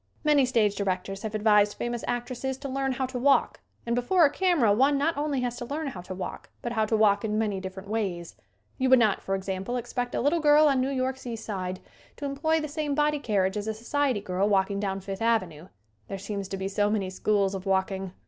Many stage directors have advised famous actresses to "learn how to walk" and before a camera one not only has to learn how to walk but how to walk in many different ways. We would not, for example, expect a little girl on New York's East Side to employ the same body carriage as a society girl walking down Fifth avenue. There seem to be so many schools of walking!